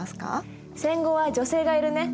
戦後は女性がいるね！